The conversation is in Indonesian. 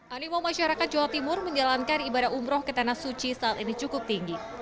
animo masyarakat jawa timur menjalankan ibadah umroh ke tanah suci saat ini cukup tinggi